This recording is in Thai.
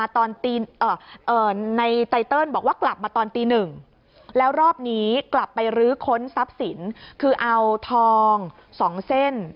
ตอนตี๑แล้วรอบนี้กลับไปรื้อค้นทรัพย์สินคือเอาทอง๒เส้น